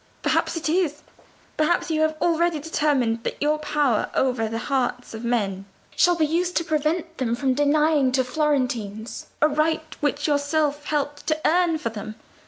Perhaps it is: perhaps you have already determined that your power over the hearts of men shall be used to prevent them from denying to Florentines a right which you yourself helped to earn for them."